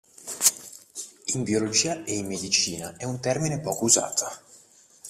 In biologia e in medicina è un termine poco usato.